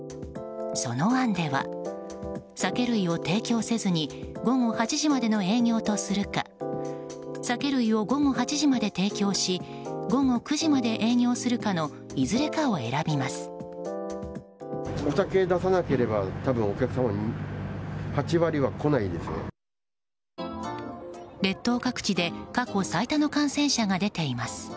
その案では、酒類を提供せずに午後８時までの営業とするか酒類を午後８時まで提供し午後９時まで営業するかのいずれかを選びます。